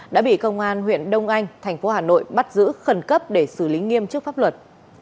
đã bị công an huyện đông anh thành phố hà nội bắt giữ khẩn cấp để xử lý nghiêm trước pháp luật